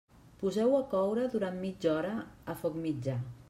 Poseu-ho a coure durant mitja hora a foc mitjà.